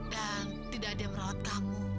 dan tidak ada yang merawat kamu